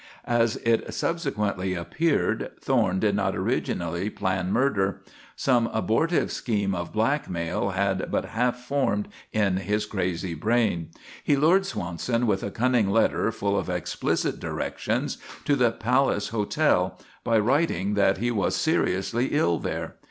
As it subsequently appeared, Thorne did not originally plan murder. Some abortive scheme of blackmail had but half formed in his crazy brain. He lured Swanson with a cunning letter, full of explicit directions, to the Palace Hotel by writing that he was seriously ill there.